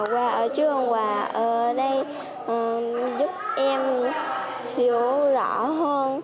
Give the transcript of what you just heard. qua ở trước con quà ở đây giúp em hiểu rõ hơn